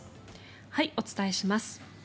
お伝えします。